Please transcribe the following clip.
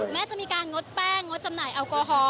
แม้จะมีการงดแป้งงดจำหน่ายแอลกอฮอล